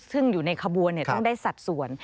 ซึ่งอยู่ในขบวนต้องได้สัดส่วน